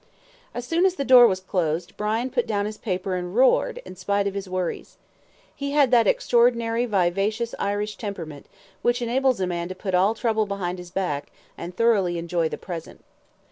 As soon as the door was closed, Brian put down his paper and roared, in spite of his worries. He had that extraordinary vivacious Irish temperament, which enables a man to put all trouble behind his back, and thoroughly enjoy the present.